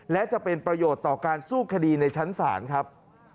และจะเป็นประโยชน์ต่อการสู้คดีในชั้นศาลครับ